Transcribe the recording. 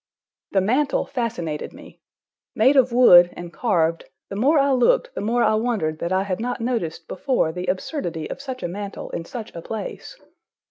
The mantel fascinated me. Made of wood and carved, the more I looked the more I wondered that I had not noticed before the absurdity of such a mantel in such a place.